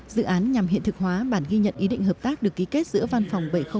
dự án nhằm hiện thực hóa bản ghi nhận ý định hợp tác được ký kết giữa văn phòng bảy trăm linh một